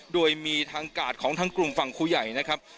โดยมีทางกาดของทางกลุ่มฝั่งครูใหญ่นะครับ